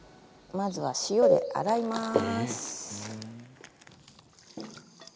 まずは塩で洗います。